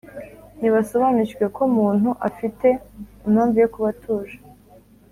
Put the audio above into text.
Nibasobanukirwe ko muntu Afite impamvu yo kuba atuje